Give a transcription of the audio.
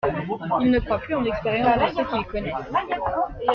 Ils ne croient plus en l’expérience de ceux qu’ils connaissent.